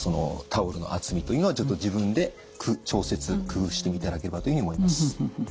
タオルの厚みというのはちょっと自分で調節工夫していただければというふうに思います。